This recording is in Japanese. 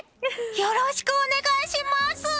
よろしくお願いします！